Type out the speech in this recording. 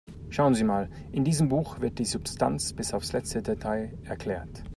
Schauen Sie mal, in diesem Buch wird die Substanz bis aufs letzte Detail erklärt.